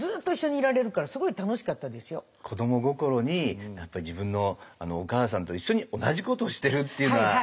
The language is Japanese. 子ども心に自分のお母さんと一緒に同じことをしてるっていうのは。